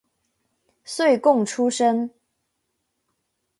岁贡出身。